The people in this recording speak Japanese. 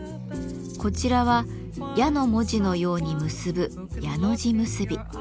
こちらは「矢」の文字のように結ぶ「やの字結び」。